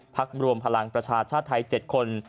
รวมพลังประชาชาติไทย๗คน